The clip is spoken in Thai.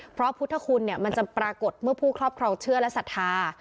เพราะพุทธคุณเนี่ยมันจะปรากฏเมื่อผู้ครอบครองเชื่อและศรัทธา